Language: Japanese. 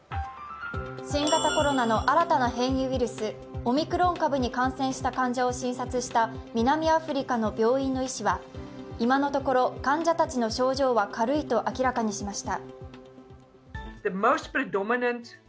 新型コロナの新たな変異ウイルス、オミクロン株を診察した南アフリカの病院の医師は、今のところ患者たちの症状は軽いと明らかにしました。